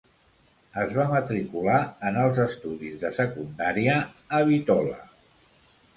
Es va matricular en els estudis de secundària a Bitola.